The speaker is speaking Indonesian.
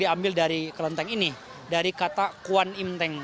diambil dari kelenteng ini dari kata kuan imteng